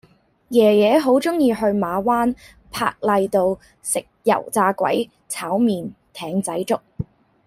爺爺好鍾意去馬灣珀麗路食油炸鬼炒麵艇仔粥